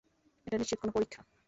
এটা নিশ্চিত কোনো পরীক্ষা।